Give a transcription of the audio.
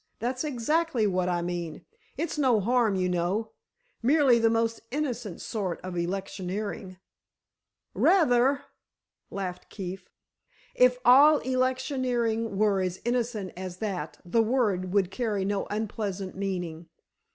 That's exactly what I mean. It's no harm, you know—merely the most innocent sort of electioneering——" "Rather!" laughed Keefe. "If all electioneering were as innocent as that, the word would carry no unpleasant meaning."